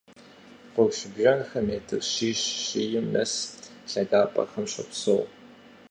Къурш бжэнхэр метр щищ-щийм нэс лъагапӀэхэм щопсэу.